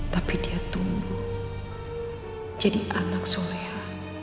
tapi dia tumbuh jadi anak soleha